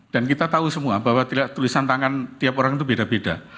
kita tahu semua bahwa tulisan tangan tiap orang itu beda beda